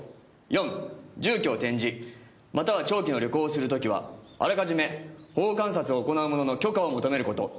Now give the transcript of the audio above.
「四住居を転じまたは長期の旅行をする時はあらかじめ保護観察を行う者の許可を求めること」